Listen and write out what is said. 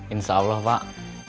insya allah pak